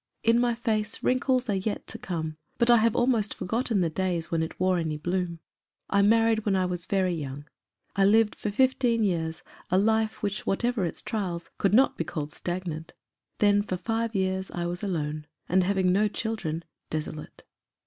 In my face wrinkles are yet to come, but I have almost forgotten the days when it wore any bloom. I married when I was very young. I lived for fifteen years a life which, whatever its trials, could not be called stagnant. Then for five years I was alone, and, having no children, desolate.